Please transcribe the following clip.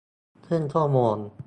ครึ่งชั่วโมง